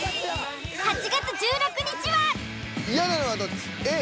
８月１６日は。